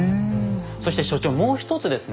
そして所長もう一つですね